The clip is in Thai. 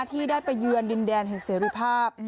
ที่ได้ไปเยือนดินแดนเห็นเสร็จริภาพ